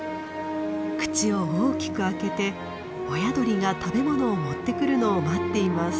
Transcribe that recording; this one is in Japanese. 口を大きく開けて親鳥が食べ物を持ってくるのを待っています。